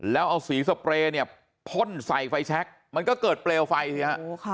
แล้วเอาสีสเปรย์เนี่ยพ่นใส่ไฟแชคมันก็เกิดเปลวไฟสิฮะ